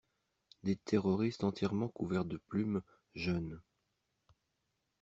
Des terroristes entièrement couverts de plumes jeûnent!